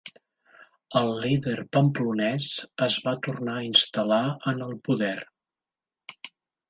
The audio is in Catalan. El líder pamplonès es va tornar a instal·lar en el poder.